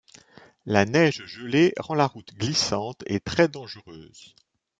La neige gelée rend la route glissante et très dangereuse.